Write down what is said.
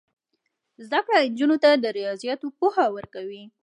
زده کړه نجونو ته د ریاضیاتو پوهه ورکوي.